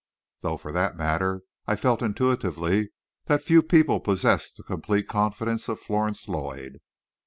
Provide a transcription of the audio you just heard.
Though, for that matter, I felt intuitively that few people possessed the complete confidence of Florence Lloyd.